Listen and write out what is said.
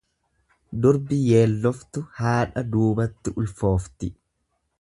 Durbi yeelloftu haadha duubatti ulfoofti.